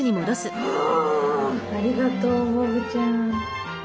ありがとうボブちゃん。